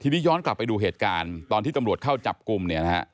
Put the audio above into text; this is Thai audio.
ทีนี้ย้อนกลับไปดูเหตุการณ์ตอนที่ตำรวจเข้าจับกลุ่มเนี่ยนะฮะ